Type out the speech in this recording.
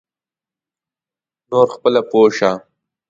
نور خپله پوی شه.